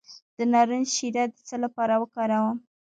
د نارنج شیره د څه لپاره وکاروم؟